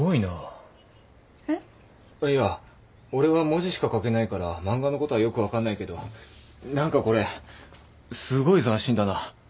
いや俺は文字しか書けないから漫画のことはよく分かんないけど何かこれすごい斬新だな。